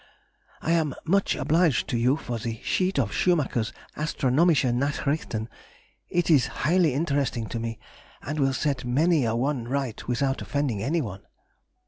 I am much obliged to you for the sheet of Schumacher's Astronom. Nachrichten. It is highly interesting to me, and will set many a one right without offending anyone.